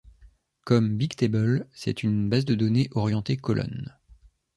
Comme BigTable, c'est une base de données orientée colonnes.